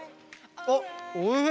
あっおいしい。